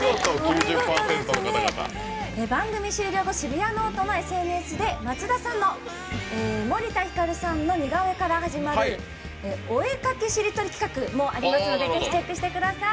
番組終了後「シブヤノオト」のＳＮＳで松田さんの森田ひかるさんの似顔絵から始まるおえかきしりとり企画もぜひ、チェックしてください。